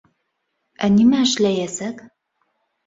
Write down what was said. Ә нимә эшләйәсәк?